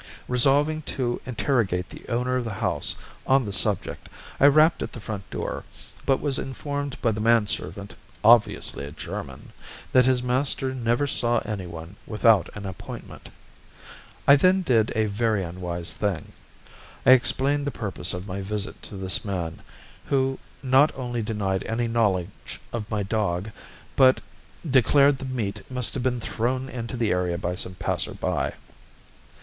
Resolving to interrogate the owner of the house on the subject, I rapped at the front door, but was informed by the manservant, obviously a German, that his master never saw anyone without an appointment. I then did a very unwise thing I explained the purpose of my visit to this man, who not only denied any knowledge of my dog, but declared the meat must have been thrown into the area by some passer by.